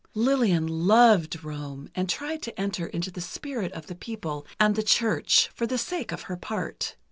Lillian loved Rome, and tried to enter into the spirit of the people and the Church, for the sake of her part.